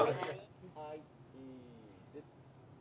はいチーズ。